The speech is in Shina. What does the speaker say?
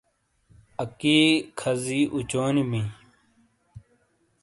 اکی کھازی اوچونی بئیں